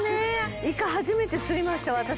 イカ初めて釣りました私。